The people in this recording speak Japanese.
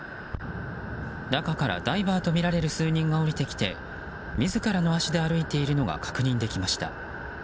中からダイバーとみられる数人が降りてきて自らの足で歩いているのが確認できました。